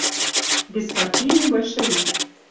Беспартиный большевик.